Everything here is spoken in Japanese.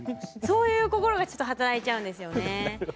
そういう心がちょっと働いちゃうんですよね。